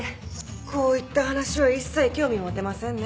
こういった話は一切興味持てませんね。